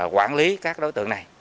quản lý các đối tượng này